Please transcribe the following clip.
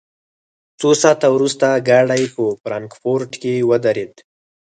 څو ساعته وروسته ګاډی په فرانکفورټ کې ودرېد